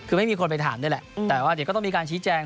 คือไม่มีคนไปถามด้วยแหละแต่ว่าเดี๋ยวก็ต้องมีการชี้แจง